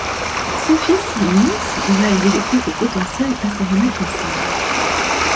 Son fils, Linus, va aider les couples potentiels à se mettre ensemble.